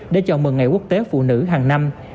để chào mừng ngày quốc tế phụ nữ hàng năm